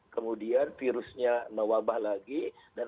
kemudian virusnya mewabah lagi dan